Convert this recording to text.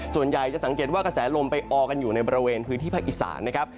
ส่วนใหญ่จะสังเกตว่ากระแสลมไปออกันอยู่ในบริเวณพื้นที่ภาคอีสานนะครับ